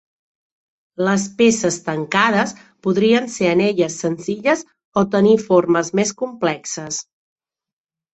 Les peces tancades podrien ser anelles senzilles o tenir formes més complexes.